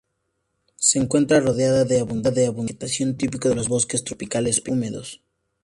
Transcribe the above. Se encuentra rodeado de abundante vegetación típico de los bosques tropicales húmedos.